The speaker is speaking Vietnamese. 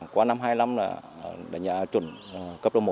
qua năm hai mươi năm là đánh giá chuẩn cấp độ một